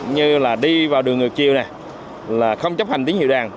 như là đi vào đường ngược chiều không chấp hành tiếng hiệu đàn